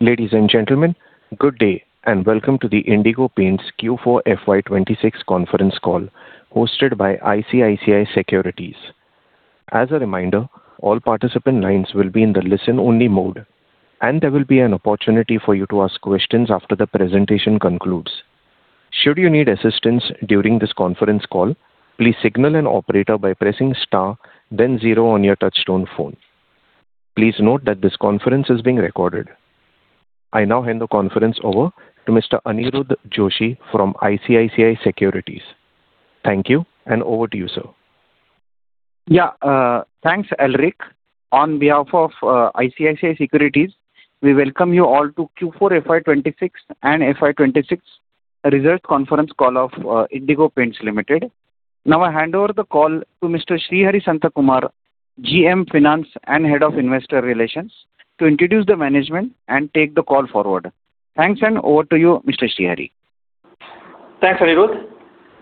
Ladies and gentlemen, good day and welcome to the Indigo Paints Q4 FY 2026 conference call hosted by ICICI Securities. As a reminder, all participant lines will be in the listen-only mode, and there will be an opportunity for you to ask questions after the presentation concludes. Should you need assistance during this conference call, please signal an operator by pressing star then zero on your touchtone phone. Please note that this conference is being recorded. I now hand the conference over to Mr. Aniruddha Joshi from ICICI Securities. Thank you, and over to you, sir. Yeah. Thanks, Helrik. On behalf of ICICI Securities, we welcome you all to Q4 FY 2026 and FY 2026 result conference call of Indigo Paints Limited. Now, I hand over the call to Mr. Srihari Santhakumar, GM, Finance and Head of Investor Relations, to introduce the management and take the call forward. Thanks, and over to you, Mr. Srihari. Thanks, Aniruddha.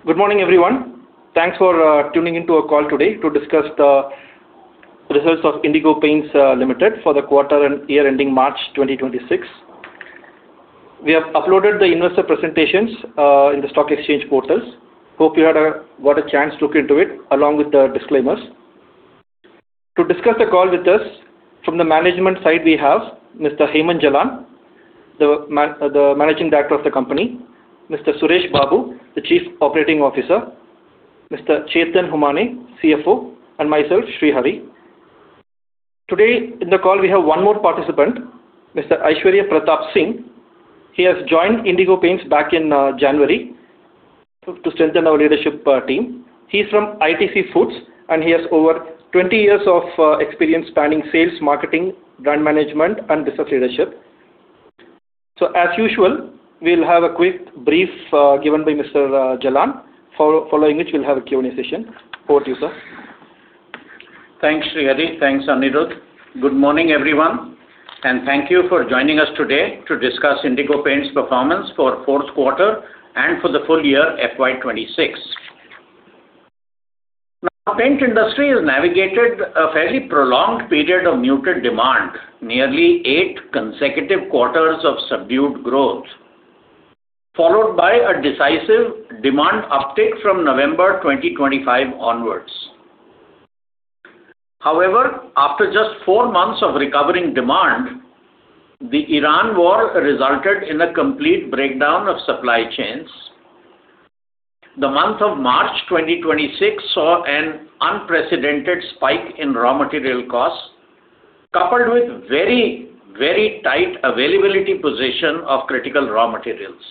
Good morning, everyone. Thanks for tuning into our call today to discuss the results of Indigo Paints Limited for the quarter and year ending March 2026. We have uploaded the investor presentations in the stock exchange portals. Hope you had a chance to look into it, along with the disclaimers. To discuss the call with us from the management side, we have Mr. Hemant Jalan, the Managing Director of the company, Mr. Suresh Babu, the Chief Operating Officer, Mr. Chetan Humane, CFO, and myself, Srihari. Today in the call, we have one more participant, Mr. Aishwarya Pratap Singh. He has joined Indigo Paints back in January to strengthen our leadership team. He is from ITC Foods, and he has over 20 years of experience spanning sales, marketing, brand management, and business leadership. As usual, we will have a quick brief given by Mr. Jalan. Following which we'll have a Q&A session. Over to you, sir. Thanks, Srihari. Thanks, Aniruddha. Good morning, everyone, thank you for joining us today to discuss Indigo Paints' performance for fourth quarter and for the full year FY 2026. Now, paint industry has navigated a very prolonged period of muted demand, nearly eight consecutive quarters of subdued growth, followed by a decisive demand uptick from November 2025 onwards. However, after just four months of recovering demand, the Iran war resulted in a complete breakdown of supply chains. The month of March 2026 saw an unprecedented spike in raw material costs, coupled with very tight availability position of critical raw materials.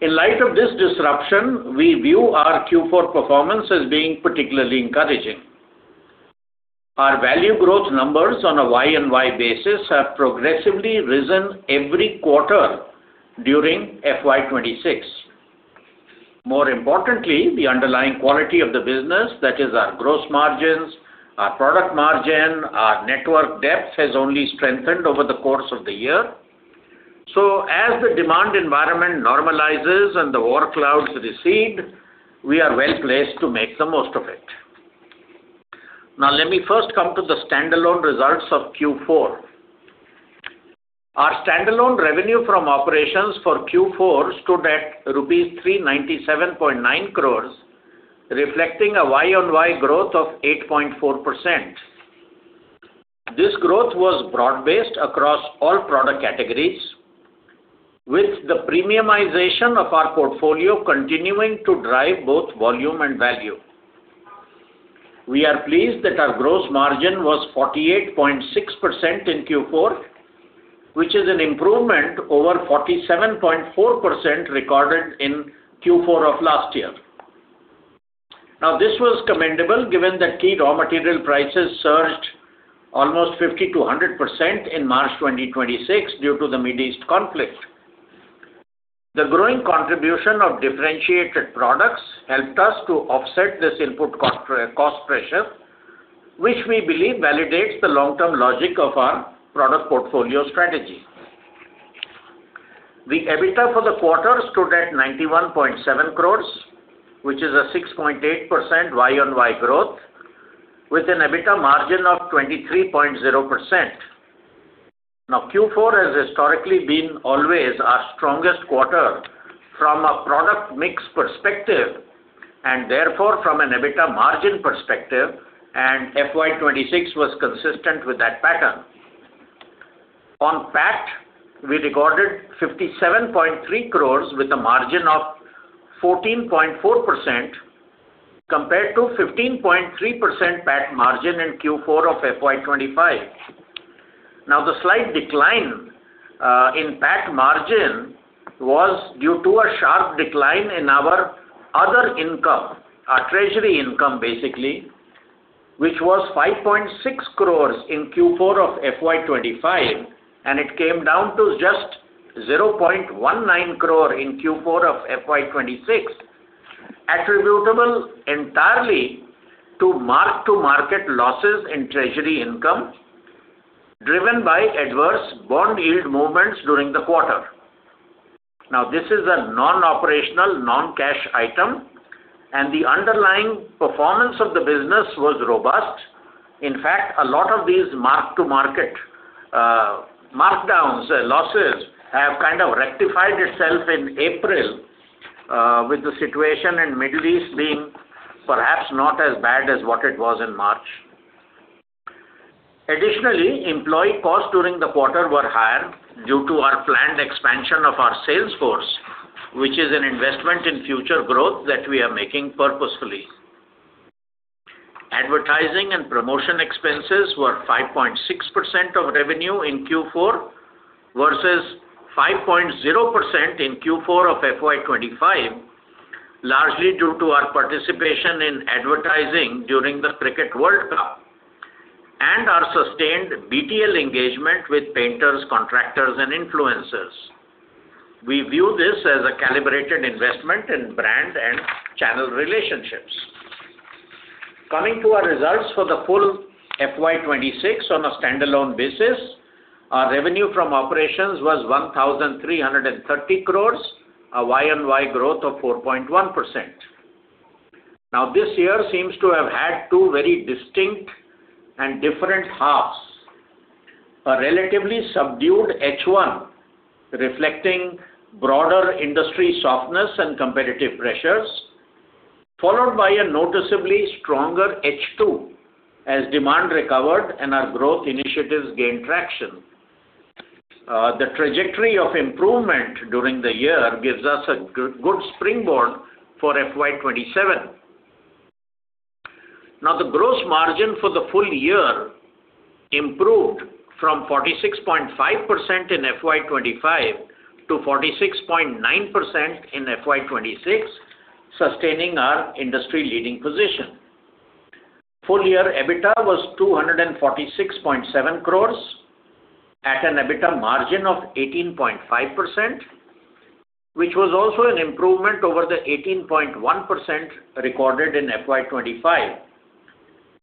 In light of this disruption, we view our Q4 performance as being particularly encouraging. Our value growth numbers on a Y-on-Y basis have progressively risen every quarter during FY 2026. More importantly, the underlying quality of the business, that is our gross margins, our product margin, our network depth, has only strengthened over the course of the year. As the demand environment normalizes and the war clouds recede, we are well-placed to make the most of it. Let me first come to the standalone results of Q4. Our standalone revenue from operations for Q4 stood at rupees 397.9 crores, reflecting a Y-on-Y growth of 8.4%. This growth was broad-based across all product categories, with the premiumization of our portfolio continuing to drive both volume and value. We are pleased that our gross margin was 48.6% in Q4, which is an improvement over 47.4% recorded in Q4 of last year. This was commendable given that key raw material prices surged almost 50%-100% in March 2026 due to the Mid East conflict. The growing contribution of differentiated products helped us to offset this input cost pressure, which we believe validates the long-term logic of our product portfolio strategy. The EBITDA for the quarter stood at 91.7 crore, which is a 6.8% Y-on-Y growth with an EBITDA margin of 23.0%. Now, Q4 has historically been always our strongest quarter from a product mix perspective and therefore from an EBITDA margin perspective, and FY 2026 was consistent with that pattern. On PAT, we recorded 57.3 crore with a margin of 14.4% compared to 15.3% PAT margin in Q4 of FY 2025. The slight decline in PAT margin was due to a sharp decline in our other income, our treasury income basically, which was 5.6 crore in Q4 of FY 2025, and it came down to just 0.19 crore in Q4 of FY 2026, attributable entirely to mark-to-market losses in treasury income driven by adverse bond yield movements during the quarter. This is a non-operational non-cash item. The underlying performance of the business was robust. In fact, a lot of these mark-to-market markdowns and losses have kind of rectified itself in April with the situation in Middle East being perhaps not as bad as what it was in March. Additionally, employee costs during the quarter were higher due to our planned expansion of our sales force, which is an investment in future growth that we are making purposefully. Advertising and promotion expenses were 5.6% of revenue in Q4 versus 5.0% in Q4 of FY 2025, largely due to our participation in advertising during the Cricket World Cup and our sustained BTL engagement with painters, contractors, and influencers. We view this as a calibrated investment and brand and channel relationships. Coming to our results for the full FY 2026 on a standalone basis, our revenue from operations was 1,330 crore, a year-on-year growth of 4.1%. This year seems to have had two very distinct and different halves. A relatively subdued H1 reflecting broader industry softness and competitive pressures, followed by a noticeably stronger H2 as demand recovered and our growth initiatives gained traction. The trajectory of improvement during the year gives us a good springboard for FY 2027. The gross margin for the full year improved from 46.5% in FY 2025 to 46.9% in FY 2026, sustaining our industry-leading position. Full year EBITDA was 246.7 crores at an EBITDA margin of 18.5%, which was also an improvement over the 18.1% recorded in FY 2025,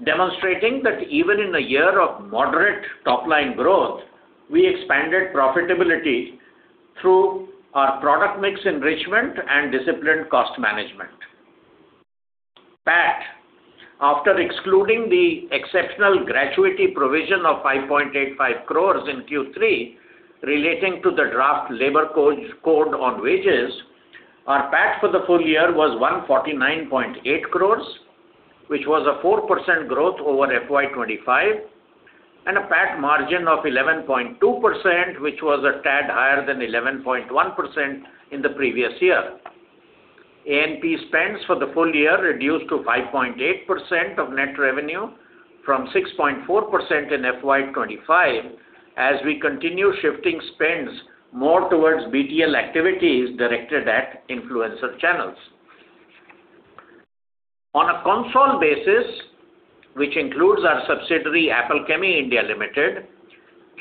demonstrating that even in a year of moderate top-line growth, we expanded profitability through our product mix enrichment and disciplined cost management. PAT, after excluding the exceptional gratuity provision of 5.85 crore in Q3 relating to the draft labour code on wages, our PAT for the full year was 149.8 crores, which was a 4% growth over FY 2025 and a PAT margin of 11.2%, which was a tad higher than 11.1% in the previous year. A&P spends for the full year reduced to 5.8% of net revenue from 6.4% in FY 2025, as we continue shifting spends more towards BTL activities directed at influencer channels. On a consolidated basis, which includes our subsidiary, Apple Chemie India Private Limited,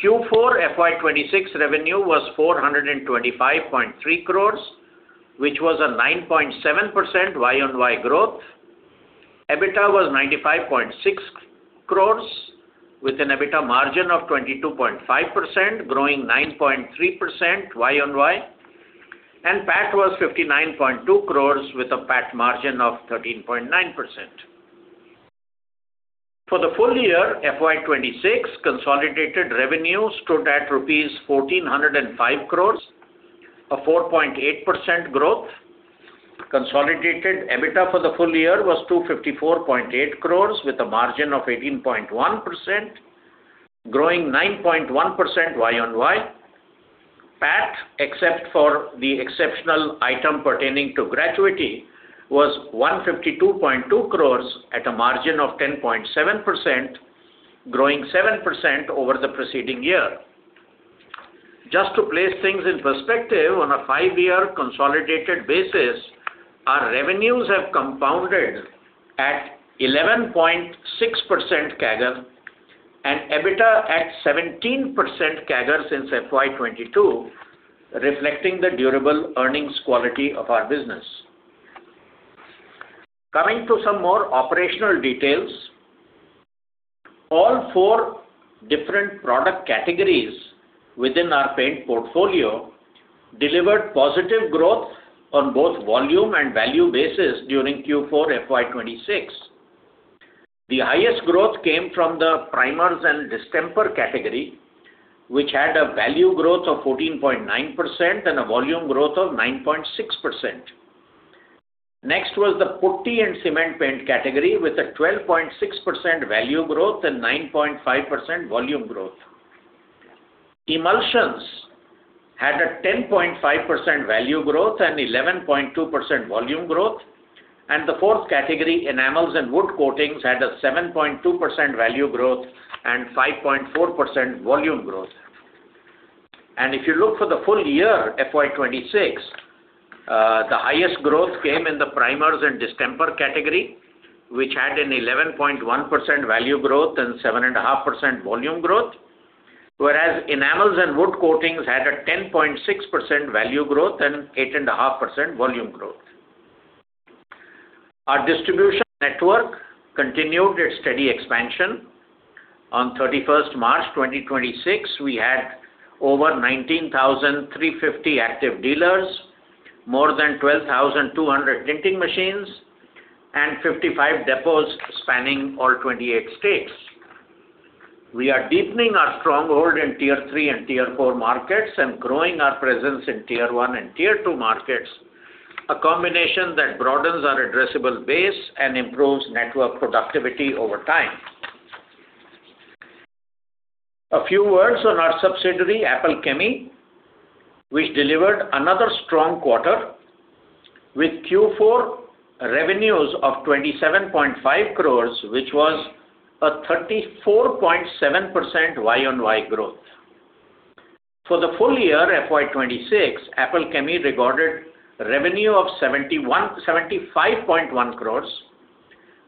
Q4 FY 2026 revenue was 425.3 crore, which was a 9.7% year-on-year growth. EBITDA was 95.6 crore with an EBITDA margin of 22.5%, growing 9.3% year-on-year, and PAT was 59.2 crore with a PAT margin of 13.9%. For the full year, FY 2026 consolidated revenues stood at rupees 1,405 crore, a 4.8% growth. Consolidated EBITDA for the full year was 254.8 crore with a margin of 18.1%, growing 9.1% year-on-year. PAT, except for the exceptional item pertaining to gratuity, was 152.2 crores at a margin of 10.7%, growing 7% over the preceding year. Just to place things in perspective, on a five-year consolidated basis, our revenues have compounded at 11.6% CAGR and EBITDA at 17% CAGR since FY 2022, reflecting the durable earnings quality of our business. Coming to some more operational details. All four different product categories within our paint portfolio delivered positive growth on both volume and value basis during Q4 FY 2026. The highest growth came from the primers and distemper category, which had a value growth of 14.9% and a volume growth of 9.6%. Next was the putty and cement paint category with a 12.6% value growth and 9.5% volume growth. Emulsions had a 10.5% value growth and 11.2% volume growth, and the fourth category, enamels and wood coatings, had a 7.2% value growth and 5.4% volume growth. If you look for the full year, FY2026, the highest growth came in the primers and distemper category, which had an 11.1% value growth and 7.5% volume growth, whereas enamels and wood coatings had a 10.6% value growth and 8.5% volume growth. Our distribution network continued its steady expansion. On March 31 2026, we had over 19,350 active dealers, more than 12,200 painting machines, and 55 depots spanning all 28 states. We are deepening our stronghold in Tier 3 and Tier 4 markets and growing our presence in Tier 1 and Tier 2 markets, a combination that broadens our addressable base and improves network productivity over time. A few words on our subsidiary, Apple Chemie, which delivered another strong quarter with Q4 revenues of 27.5 crore, which was a 34.7% Y-on-Y growth. For the full year FY 2026, Apple Chemie recorded revenue of 75.1 crore,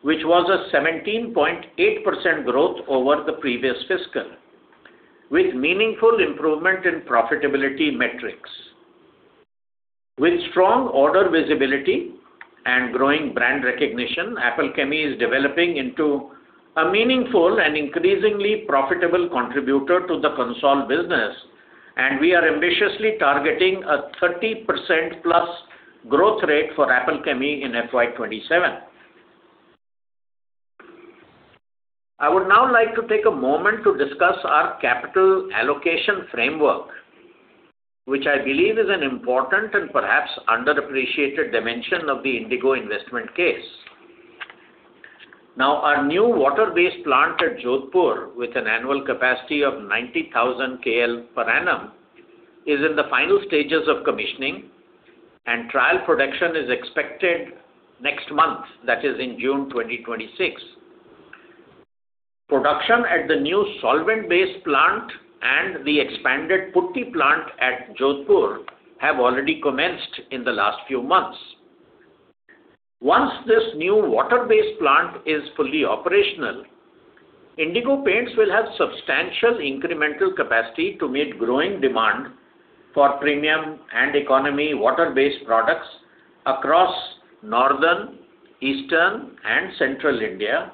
which was a 17.8% growth over the previous fiscal, with meaningful improvement in profitability metrics. With strong order visibility and growing brand recognition, Apple Chemie is developing into a meaningful and increasingly profitable contributor to the consolidated business, and we are ambitiously targeting a 30%+ growth rate for Apple Chemie in FY 2027. I would now like to take a moment to discuss our capital allocation framework, which I believe is an important and perhaps underappreciated dimension of the Indigo investment case. Now, our new water-based plant at Jodhpur, with an annual capacity of 90,000 KL per annum, is in the final stages of commissioning, and trial production is expected next month, that is, in June 2026. Production at the new solvent-based plant and the expanded putty plant at Jodhpur have already commenced in the last few months. Once this new water-based plant is fully operational, Indigo Paints will have substantial incremental capacity to meet growing demand for premium and economy water-based products across Northern, Eastern, and Central India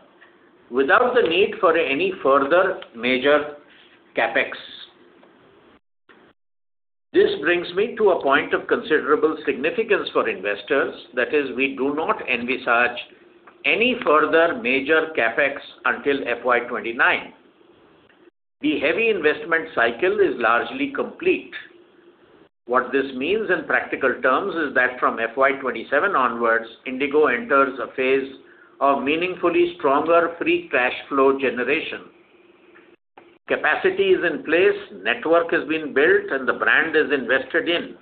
without the need for any further major CapEx. This brings me to a point of considerable significance for investors, that is, we do not envisage any further major CapEx until FY 2029. The heavy investment cycle is largely complete. What this means in practical terms is that from FY 2027 onwards, Indigo enters a phase of meaningfully stronger free cash flow generation. Capacity is in place, network has been built, and the brand is invested in,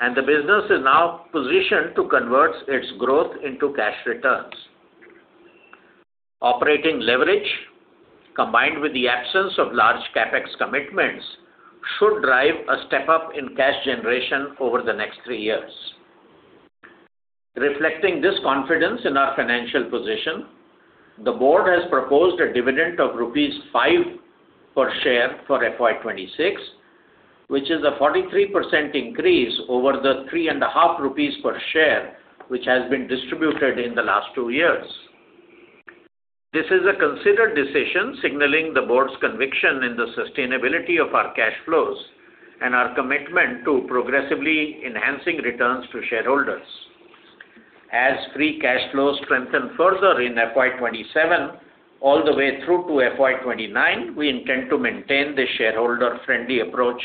and the business is now positioned to convert its growth into cash returns. Operating leverage, combined with the absence of large CapEx commitments, should drive a step-up in cash generation over the next three years. Reflecting this confidence in our financial position, the board has proposed a dividend of rupees 5 per share for FY 2026, which is a 43% increase over the 3.5 rupees per share which has been distributed in the last two years. This is a considered decision signaling the board's conviction in the sustainability of our cash flows and our commitment to progressively enhancing returns to shareholders. As free cash flows strengthen further in FY 2027 all the way through to FY 2029, we intend to maintain the shareholder-friendly approach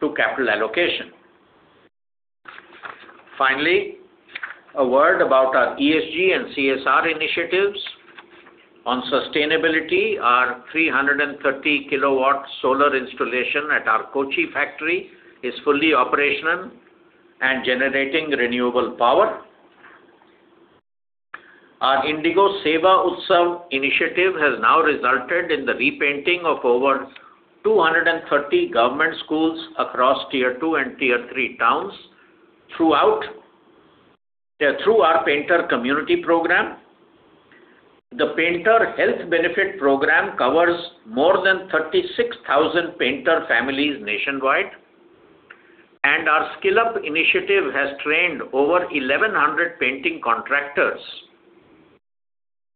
to capital allocation. Finally, a word about our ESG and CSR initiatives. On sustainability, our 330 KW solar installation at our Kochi factory is fully operational and generating renewable power. Our Indigo Seva Utsav initiative has now resulted in the repainting of over 230 government schools across Tier 2 and Tier 3 towns through our Painter Community Program. The Painter Health Benefit Program covers more than 36,000 painter families nationwide, and our Skill Up initiative has trained over 1,100 painting contractors.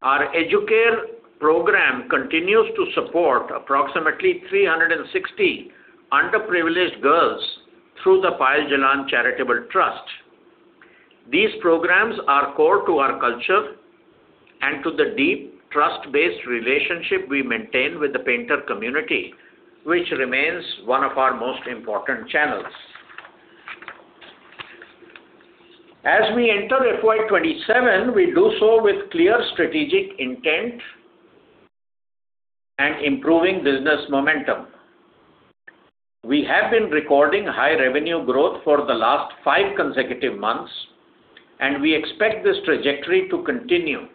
Our Educare program continues to support approximately 360 underprivileged girls through the Payal Jalan Charitable Trust. These programs are core to our culture and to the deep trust-based relationship we maintain with the painter community, which remains one of our most important channels. As we enter FY 2027, we do so with clear strategic intent and improving business momentum. We have been recording high revenue growth for the last five consecutive months, and we expect this trajectory to continue.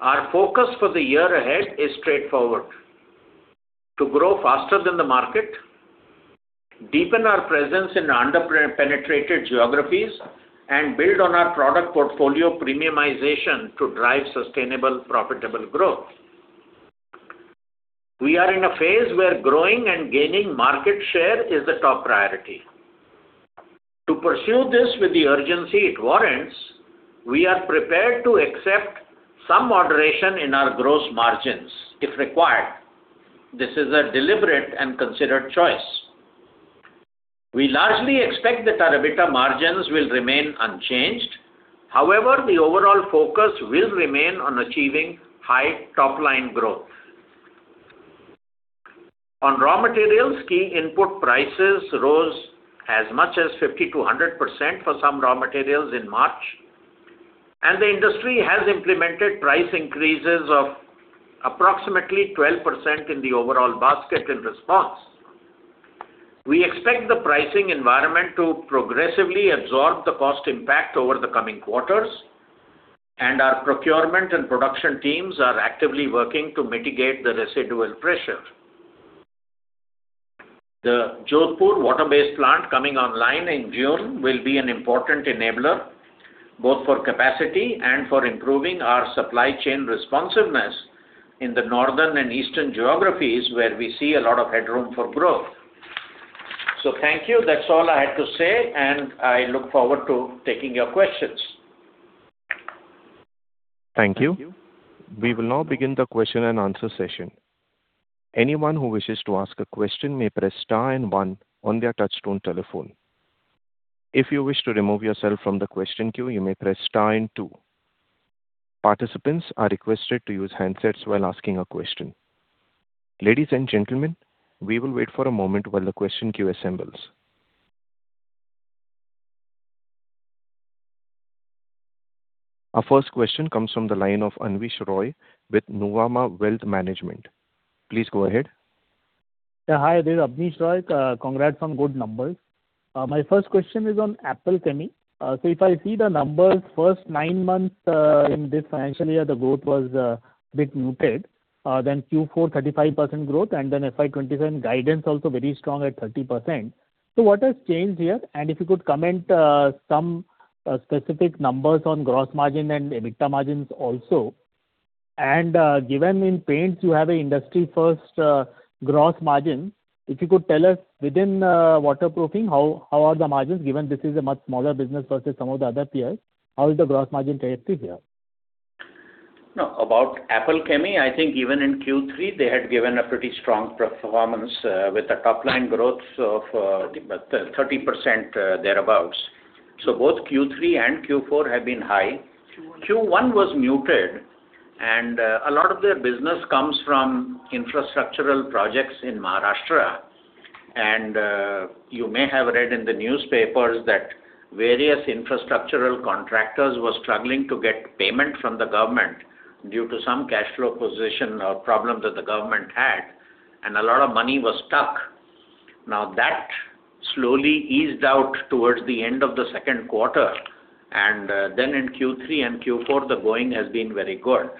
Our focus for the year ahead is straightforward: to grow faster than the market, deepen our presence in underpenetrated geographies, and build on our product portfolio premiumization to drive sustainable, profitable growth. We are in a phase where growing and gaining market share is the top priority. To pursue this with the urgency it warrants, we are prepared to accept some moderation in our gross margins if required. This is a deliberate and considered choice. We largely expect that our EBITDA margins will remain unchanged. The overall focus will remain on achieving high top-line growth. On raw materials, key input prices rose as much as 50%-100% for some raw materials in March, and the industry has implemented price increases of approximately 12% in the overall basket in response. We expect the pricing environment to progressively absorb the cost impact over the coming quarters, and our procurement and production teams are actively working to mitigate the residual pressure. The Jodhpur water-based plant coming online in June will be an important enabler, both for capacity and for improving our supply chain responsiveness in the northern and eastern geographies, where we see a lot of headroom for growth. Thank you. That's all I have to say, and I look forward to taking your questions. Thank you. We will now begin the question and answer session. Anyone who wishes to ask a question may press star and one on their touch-tone telephone. If you wish to remove yourself from the question queue, you may press star and two. Participants are requested to use handsets while asking a question. Ladies and gentlemen, we will wait for a moment while the question queue assembles. Our first question comes from the line of Abneesh Roy with Nuvama Wealth Management. Please go ahead. Hi, this is Abneesh Roy. Congrats on good numbers. My first question is on Apple Chemie. If I see the numbers, first nine months in this financial year, the growth was a bit muted. Q4, 35% growth, and then FY 2027 guidance also very strong at 30%. What has changed here? If you could comment some specific numbers on gross margin and EBITDA margins also. Given in paints you have an industry-first gross margin, if you could tell us within waterproofing, how are the margins given this is a much smaller business versus some of the other peers? How is the gross margin trajectory here? About Apple Chemie, I think even in Q3, they had given a pretty strong performance with a top-line growth of 30% thereabouts. Both Q3 and Q4 have been high. Q1 was muted and a lot of their business comes from infrastructural projects in Maharashtra. You may have read in the newspapers that various infrastructural contractors were struggling to get payment from the government due to some cash flow position problem that the government had, and a lot of money was stuck. That slowly eased out towards the end of the second quarter, and then in Q3 and Q4, the going has been very good.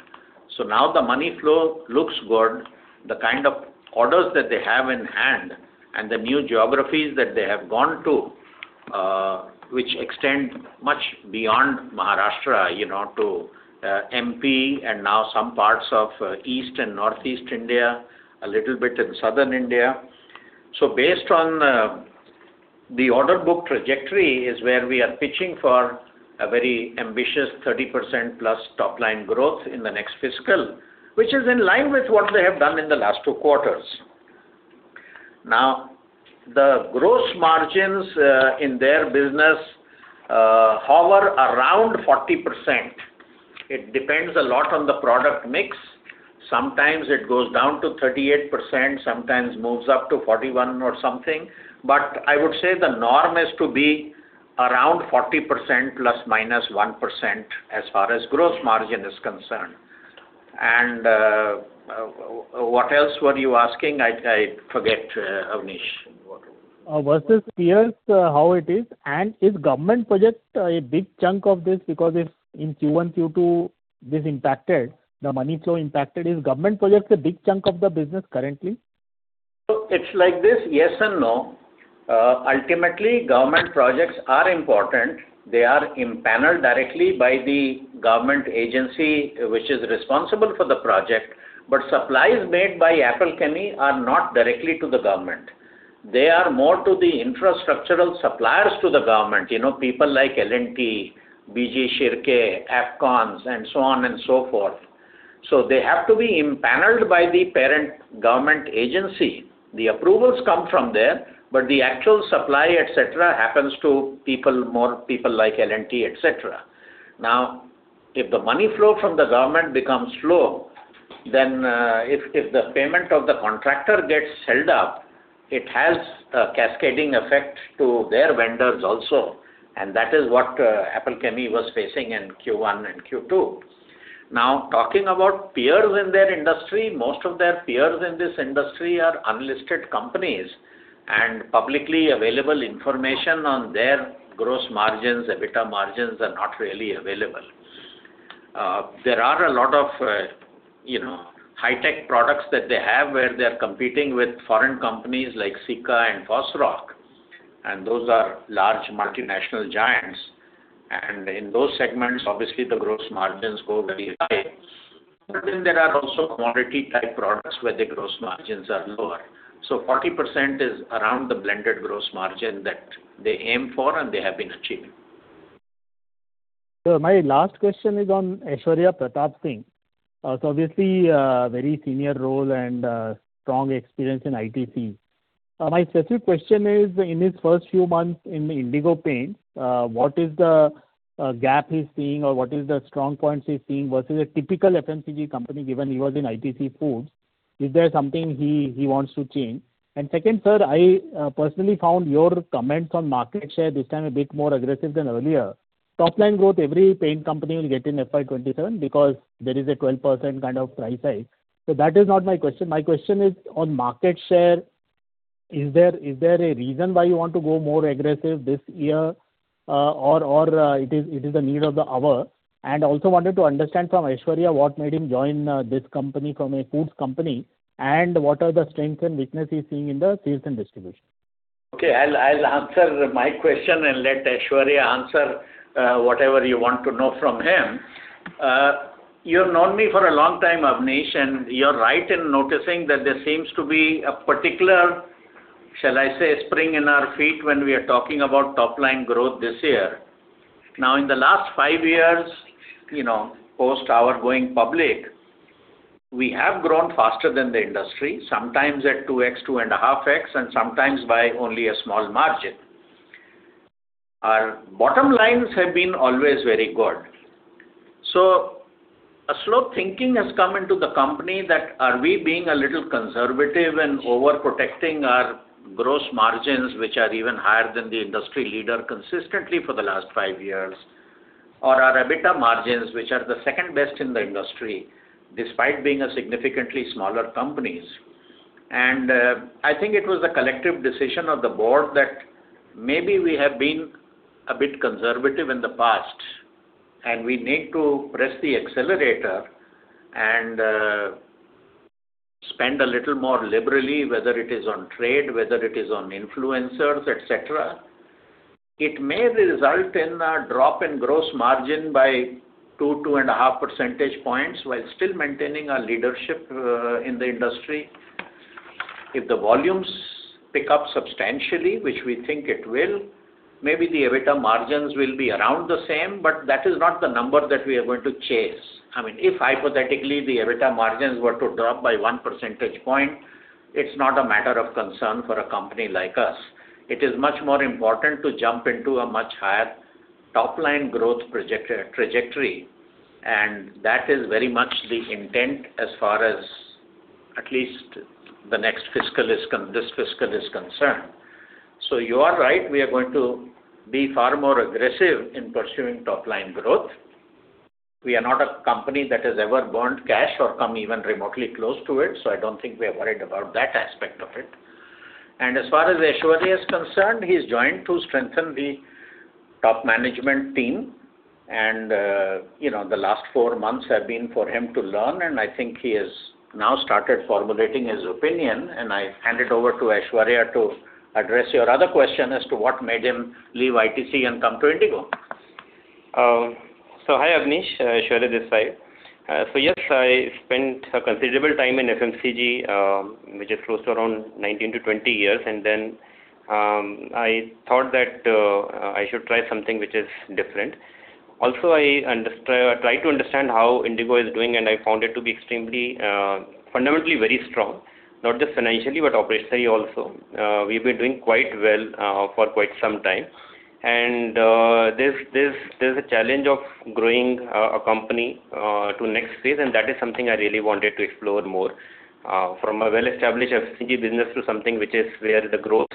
Now the money flow looks good. The kind of orders that they have in hand and the new geographies that they have gone to, which extend much beyond Maharashtra to MP and now some parts of East and Northeast India, a little bit in Southern India. Based on the order book trajectory is where we are pitching for a very ambitious 30%+ top-line growth in the next fiscal, which is in line with what they have done in the last two quarters. The gross margins in their business hover around 40%. It depends a lot on the product mix. Sometimes it goes down to 38%, sometimes moves up to 41% or something. I would say the norm is to be around 40% ±1% as far as gross margin is concerned. What else were you asking? I forget, Abneesh. Versus peers, how it is, and is government projects a big chunk of this because in Q1, Q2, this impacted, the money flow impacted? Is government projects a big chunk of the business currently? It's like this, yes and no. Ultimately, government projects are important. They are empaneled directly by the government agency which is responsible for the project, but supplies made by Apple Chemie are not directly to the government. They are more to the infrastructural suppliers to the government. People like L&T, B.G. Shirke, Afcons, and so on and so forth. They have to be empaneled by the parent government agency. The approvals come from there, but the actual supply, et cetera, happens to more people like L&T, et cetera. If the money flow from the government becomes slow, then if the payment of the contractor gets held up, it has a cascading effect to their vendors also, and that is what Apple Chemie was facing in Q1 and Q2. Talking about peers in their industry, most of their peers in this industry are unlisted companies, and publicly available information on their gross margins, EBITDA margins are not really available. There are a lot of high-tech products that they have where they're competing with foreign companies like Sika and Fosroc. Those are large multinational giants. In those segments, obviously, the gross margins go very high. There are also commodity-type products where the gross margins are lower. 40% is around the blended gross margin that they aim for, and they have been achieving. Sir, my last question is on Aishwarya Pratap Singh. Obviously, a very senior role and strong experience in ITC. My specific question is, in his first few months in Indigo Paints, what is the gap he's seeing or what is the strong points he's seeing versus a typical FMCG company, given he was in ITC Foods? Is there something he wants to change? Second, sir, I personally found your comments on market share this time a bit more aggressive than earlier. Topline growth, every paint company will get in FY 2027 because there is a 12% kind of price hike. That is not my question. My question is on market share. Is there a reason why you want to go more aggressive this year? It is the need of the hour? Also wanted to understand from Aishwarya, what made him join this company from a foods company, and what are the strengths and weaknesses he's seeing in the sales and distribution? Okay, I'll answer my question, and let Aishwarya answer whatever you want to know from him. You've known me for a long time, Abneesh, and you're right in noticing that there seems to be a particular, shall I say, spring in our feet when we are talking about top-line growth this year. Now, in the last five years, post our going public, we have grown faster than the industry, sometimes at 2x, 2.5x, and sometimes by only a small margin. Our bottom lines have been always very good. A slow thinking has come into the company that are we being a little conservative and overprotecting our gross margins, which are even higher than the industry leader consistently for the last five years? Our EBITDA margins, which are the second best in the industry, despite being a significantly smaller company. I think it was a collective decision of the board that maybe we have been a bit conservative in the past, and we need to press the accelerator and spend a little more liberally, whether it is on trade, whether it is on influencers, et cetera. It may result in a drop in gross margin by two, two and a half percentage points while still maintaining our leadership in the industry. If the volumes pick up substantially, which we think it will, maybe the EBITDA margins will be around the same, but that is not the number that we are going to chase. If hypothetically, the EBITDA margins were to drop by one percentage point, it is not a matter of concern for a company like us. It is much more important to jump into a much higher top-line growth trajectory, and that is very much the intent as far as at least this fiscal is concerned. You are right. We are going to be far more aggressive in pursuing top-line growth. We are not a company that has ever burned cash or come even remotely close to it, so I don't think we're worried about that aspect of it. As far as Aishwarya is concerned, he's joined to strengthen the top management team, and the last four months have been for him to learn, and I think he has now started formulating his opinion, and I hand it over to Aishwarya to address your other question as to what made him leave ITC and come to Indigo. Hi, Abneesh. Aishwarya this side. Yes, I spent a considerable time in FMCG, which is close to around 19-20 years. I thought that I should try something which is different. Also, I tried to understand how Indigo Paints is doing. I found it to be extremely, fundamentally very strong, not just financially, but operationally also. We've been doing quite well for quite some time. There's a challenge of growing a company to next phase. That is something I really wanted to explore more. From a well-established FMCG business to something which is where the growth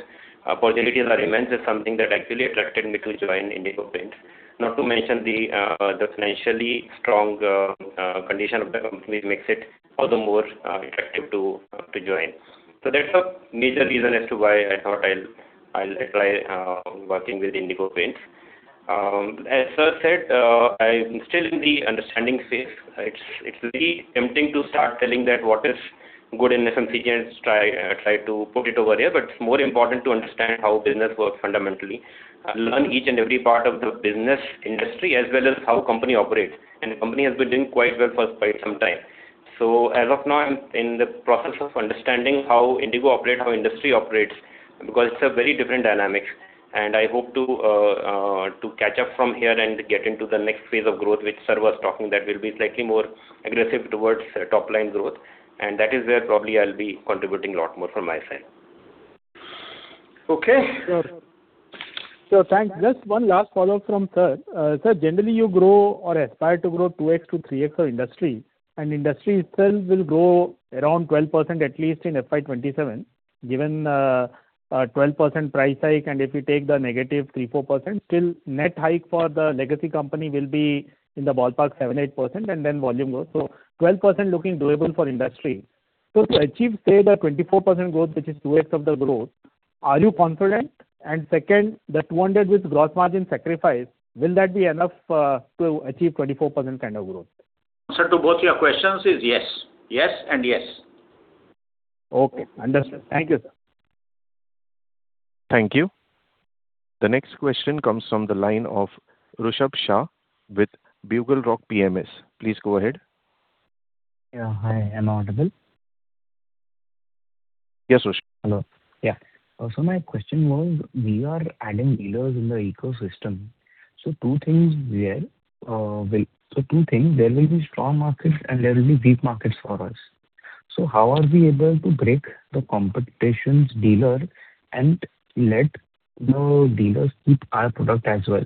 possibilities are immense is something that actually attracted me to join Indigo Paints. Not to mention the financially strong condition of the company makes it all the more attractive to join. That's a major reason as to why I thought I'll try working with Indigo Paints. As sir said, I'm still in the understanding phase. It's very tempting to start telling that what is good in FMCG and try to put it over here. It's more important to understand how business works fundamentally and learn each and every part of the business industry as well as how company operates. Company has been doing quite well for quite some time. As of now, I'm in the process of understanding how Indigo operate, how industry operates, because it's a very different dynamic, and I hope to catch up from here and get into the next phase of growth, which sir was talking that we'll be slightly more aggressive towards top-line growth, and that is where probably I'll be contributing a lot more from my side. Okay. Sir. Sir, thanks. Just one last follow from sir. Sir, generally you grow or aspire to grow 2x-3x of industry, and industry itself will grow around 12%, at least in FY 2027, given 12% price hike, and if you take the negative 3%, 4%, still net hike for the legacy company will be in the ballpark 7%, 8%, and then volume growth. 12% looking doable for industry. To achieve say the 24% growth, which is 2x of the growth, are you confident? Second, the 200 basis growth margin sacrifice, will that be enough to achieve 24% kind of growth? Answer to both your questions is yes. Yes, and yes Okay, understood. Thank you, sir. Thank you. The next question comes from the line of Rishabh Shah with BugleRock PMS. Please go ahead. Yeah. Hi, am I audible? Yes, Rishabh. Hello. Yeah. My question was, we are adding dealers in the ecosystem. Two things there will be strong markets and there will be weak markets for us. How are we able to break the competition's dealer and let our dealers keep our product as well?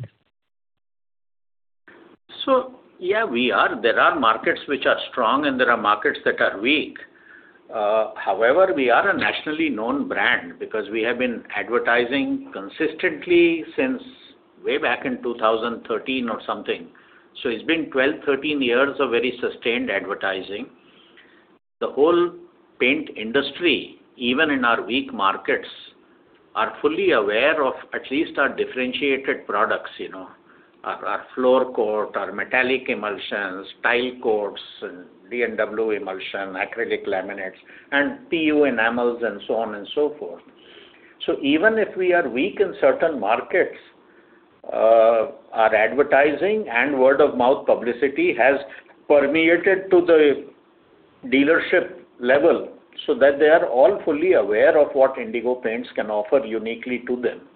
Yeah, there are markets which are strong and there are markets that are weak. However, we are a nationally known brand because we have been advertising consistently since way back in 2013 or something. It's been 12, 13 years of very sustained advertising. The whole paint industry, even in our weak markets, are fully aware of at least our differentiated products. Our Floor Coat, our Metallic Emulsions, Tile Coats, and D&W Exterior Laminate, Acrylic Laminates and PU enamels, and so on and so forth. Even if we are weak in certain markets, our advertising and word of mouth publicity has permeated to the dealership level so that they are all fully aware of what Indigo Paints can offer uniquely to them.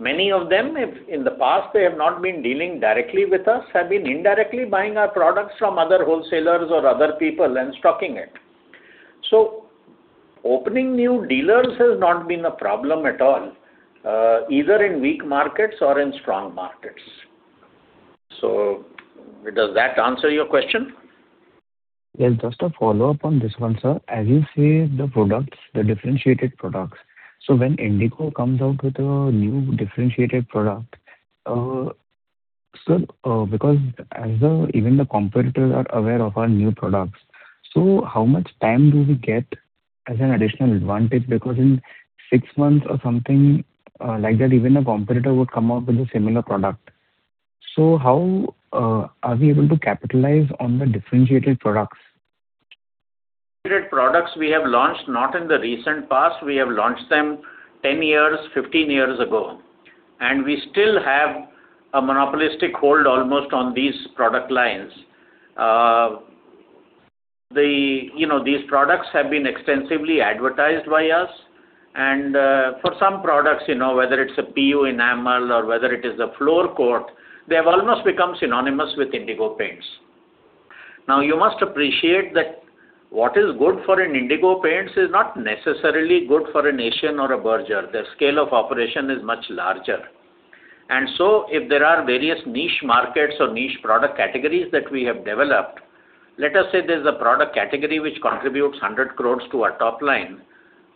Many of them, if in the past they have not been dealing directly with us, have been indirectly buying our products from other wholesalers or other people and stocking it. Opening new dealers has not been a problem at all, either in weak markets or in strong markets. Does that answer your question? Yeah, just a follow-up on this one, sir. As you say, the differentiated products. When Indigo comes out with a new differentiated product, sir, because even the competitors are aware of our new products. How much time do we get as an additional advantage? Because in six months or something like that, even a competitor would come out with a similar product. How are we able to capitalize on the differentiated products? Differentiated products we have launched not in the recent past, we have launched them 10 years, 15 years ago, and we still have a monopolistic hold almost on these product lines. These products have been extensively advertised by us and for some products, whether it's a PU enamel or whether it is a Floor Coat, they've almost become synonymous with Indigo Paints. You must appreciate that what is good for an Indigo Paints is not necessarily good for an Asian or a Berger. Their scale of operation is much larger. If there are various niche markets or niche product categories that we have developed, let us say there's a product category which contributes 100 crore to our top line,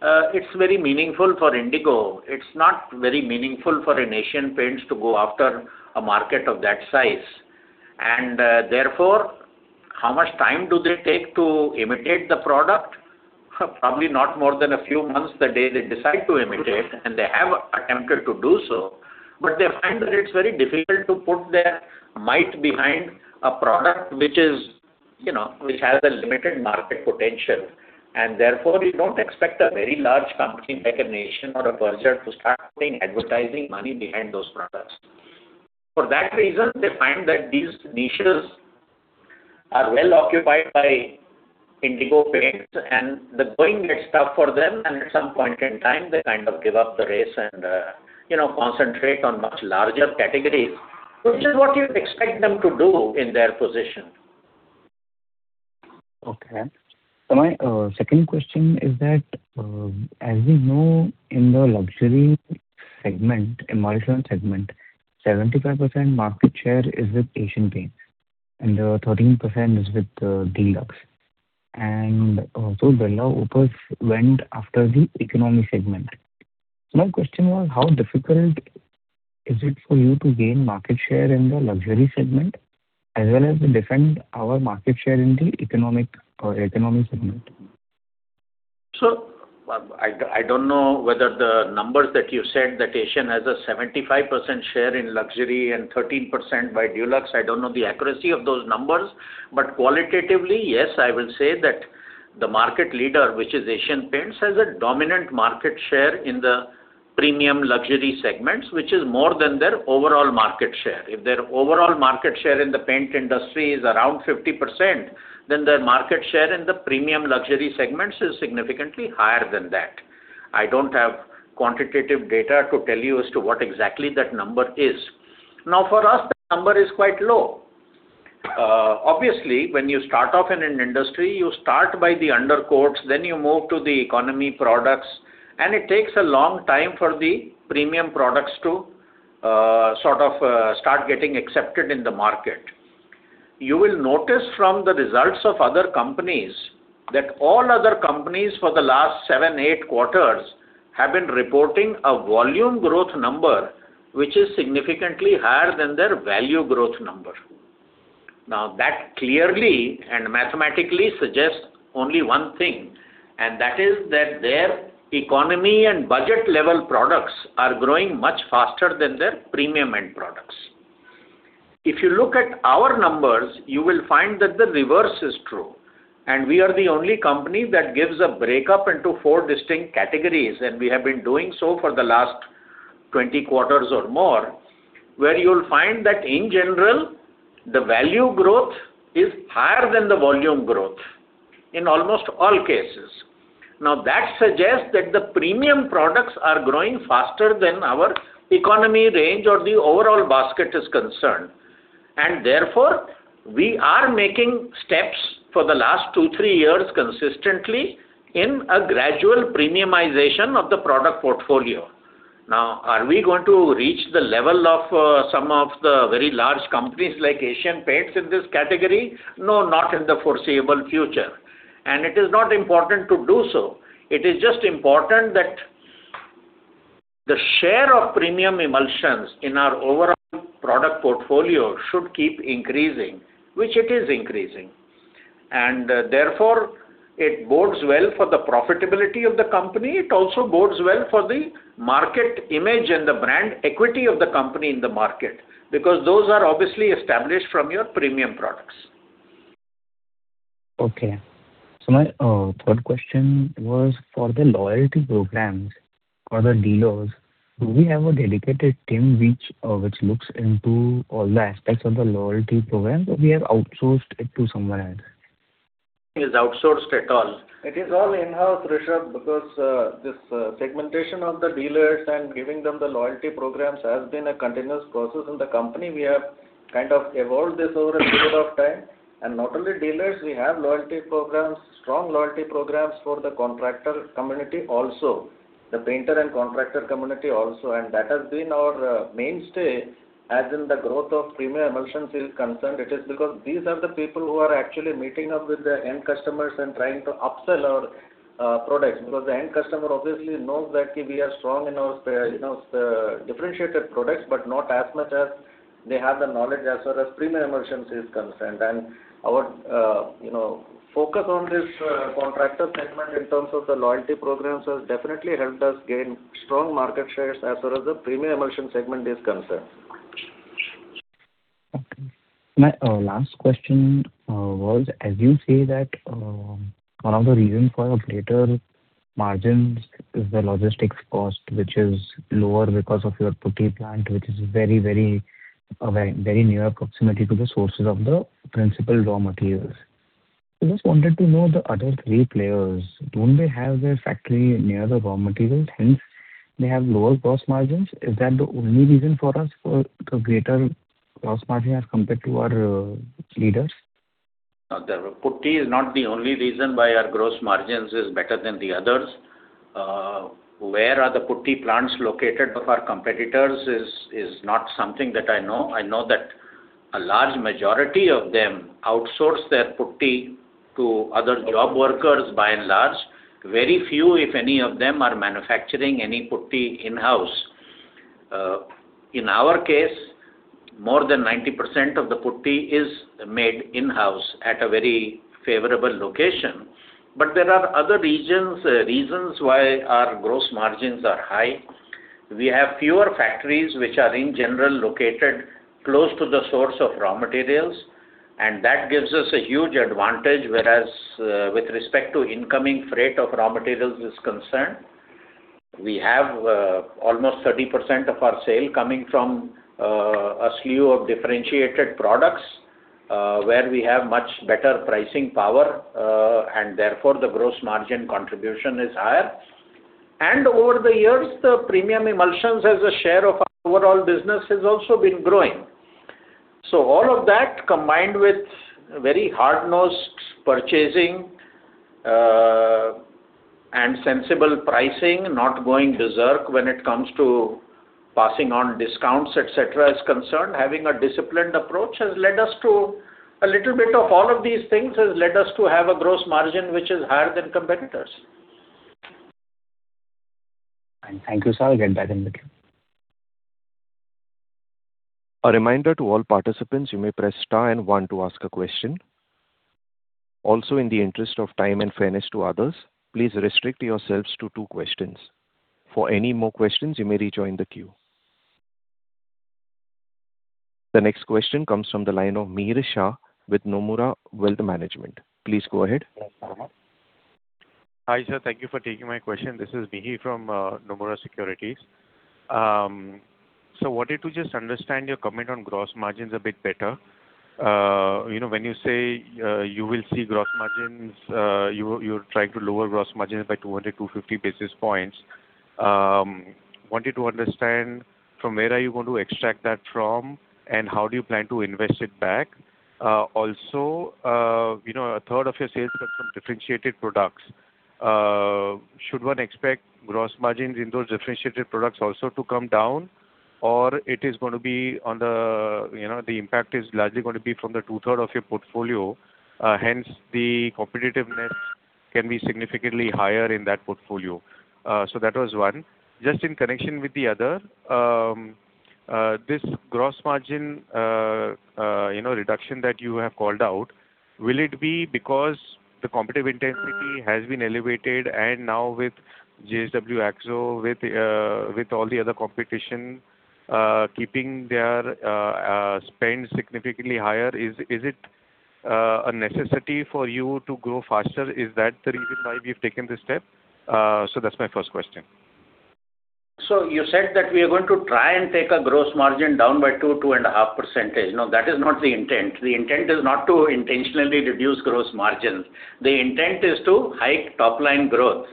it's very meaningful for Indigo. It's not very meaningful for an Asian Paints to go after a market of that size. Therefore, how much time do they take to imitate the product? Probably not more than a few months the day they decide to imitate, and they have attempted to do so. They find that it's very difficult to put their might behind a product which has a limited market potential, and therefore you don't expect a very large company like an Asian or a Berger to start putting advertising money behind those products. For that reason, they find that these niches are well occupied by Indigo Paints, and the going gets tough for them, and at some point in time, they give up the race and concentrate on much larger categories, which is what you'd expect them to do in their position. My second question is that, as we know in the luxury segment, emulsion segment, 75% market share is with Asian Paints and 13% is with Dulux and also Birla Opus went after the economy segment. My question was how difficult is it for you to gain market share in the luxury segment as well as to defend our market share in the economy segment? I don't know whether the numbers that you said that Asian has a 75% share in luxury and 13% by Dulux. I don't know the accuracy of those numbers, but qualitatively, yes, I will say that the market leader, which is Asian Paints, has a dominant market share in the premium luxury segments, which is more than their overall market share. If their overall market share in the paint industry is around 50%, then their market share in the premium luxury segments is significantly higher than that. I don't have quantitative data to tell you as to what exactly that number is. For us, the number is quite low. When you start off in an industry, you start by the undercoats, then you move to the economy products, and it takes a long time for the premium products to start getting accepted in the market. You will notice from the results of other companies that all other companies for the last seven, eight quarters have been reporting a volume growth number which is significantly higher than their value growth number. That clearly and mathematically suggests only one thing, and that is that their economy and budget-level products are growing much faster than their premium-end products. If you look at our numbers, you will find that the reverse is true, and we are the only company that gives a breakup into four distinct categories, and we have been doing so for the last 20 quarters or more, where you'll find that in general, the value growth is higher than the volume growth in almost all cases. That suggests that the premium products are growing faster than our economy range or the overall basket is concerned. Therefore, we are making steps for the last two, three years consistently in a gradual premiumization of the product portfolio. Now, are we going to reach the level of some of the very large companies like Asian Paints in this category? No, not in the foreseeable future. It is not important to do so. It is just important that the share of premium emulsions in our overall product portfolio should keep increasing, which it is increasing. Therefore, it bodes well for the profitability of the company. It also bodes well for the market image and the brand equity of the company in the market, because those are obviously established from your premium products. Okay. My third question was for the loyalty programs for the dealers. Do we have a dedicated team which looks into all the aspects of the loyalty program, or we have outsourced it to somewhere else? It is outsourced at all. It is all in-house, Rishabh, because this segmentation of the dealers and giving them the loyalty programs has been a continuous process in the company. We have kind of evolved this over a period of time. Not only dealers, we have loyalty programs, strong loyalty programs for the contractor community also, the painter and contractor community also, and that has been our mainstay as in the growth of premium emulsions is concerned. It is because these are the people who are actually meeting up with the end customers and trying to upsell our products. Because the end customer obviously knows that we are strong in our differentiated products, but not as much as they have the knowledge as far as premium emulsions is concerned. Our focus on this contractor segment in terms of the loyalty programs has definitely helped us gain strong market shares as far as the premium emulsion segment is concerned. Okay. My last question was, as you say that one of the reasons for greater margins is the logistics cost, which is lower because of your putty plant, which is very near proximity to the sources of the principal raw materials. I just wanted to know, the other three players, don't they have their factory near the raw materials, hence they have lower gross margins? Is that the only reason for us for greater gross margin as compared to our leaders? No. The putty is not the only reason why our gross margins is better than the others. Where are the putty plants located of our competitors is not something that I know. I know that a large majority of them outsource their putty to other job workers by and large. Very few, if any of them, are manufacturing any putty in-house. In our case, more than 90% of the putty is made in-house at a very favorable location. There are other reasons why our gross margins are high. We have fewer factories which are in general located close to the source of raw materials, and that gives us a huge advantage, whereas with respect to incoming freight of raw materials is concerned. We have almost 30% of our sale coming from a slew of differentiated products, where we have much better pricing power, therefore the gross margin contribution is higher. Over the years, the premium emulsions as a share of overall business has also been growing. All of that, combined with very hard-nosed purchasing, and sensible pricing, not going berserk when it comes to passing on discounts, et cetera, is concerned. Having a disciplined approach has led us to a little bit of all of these things, has led us to have a gross margin which is higher than competitors. Fine. Thank you, sir. I'll get back in the queue. A reminder to all participants, you may press star and one to ask a question. In the interest of time and fairness to others, please restrict yourselves to two questions. For any more questions, you may rejoin the queue. The next question comes from the line of Mihir Shah with Nomura Wealth Management. Please go ahead. Hi, sir. Thank you for taking my question. This is Mihir from Nomura Securities. Wanted to just understand your comment on gross margins a bit better. When you say you will see gross margins, you're trying to lower gross margins by 200, 250 basis points. Wanted to understand from where are you going to extract that from, and how do you plan to invest it back? A third of your sales are from differentiated products. Should one expect gross margins in those differentiated products also to come down? The impact is largely going to be from the 2/3 of your portfolio, hence the competitiveness can be significantly higher in that portfolio. That was one. Just in connection with the other, this gross margin reduction that you have called out. Will it be because the competitive intensity has been elevated and now with JSW AkzoNobel, with all the other competition keeping their spend significantly higher, is it a necessity for you to grow faster? Is that the reason why we've taken this step? That's my first question. You said that we are going to try and take our gross margin down by 2.5%. No, that is not the intent. The intent is not to intentionally reduce gross margin. The intent is to hike top-line growth.